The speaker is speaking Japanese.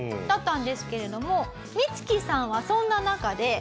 だったんですけれども光輝さんはそんな中で。